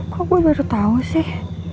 kok gue baru tahu sih